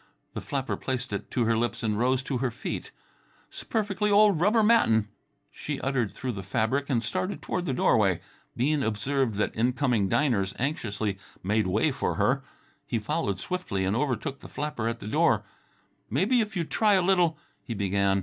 The flapper placed it to her lips and rose to her feet. "'S perfe'ly old rubber mattin'," she uttered through the fabric, and started toward the doorway. Bean observed that incoming diners anxiously made way for her. He followed swiftly and overtook the flapper at her door. "Maybe if you'd try a little " he began.